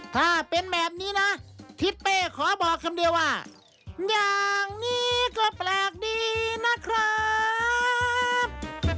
ถ้าเป็นแบบนี้นะทิศเป้ขอบอกคำเดียวว่าอย่างนี้ก็แปลกดีนะครับ